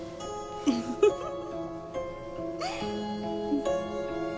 ウフフフ。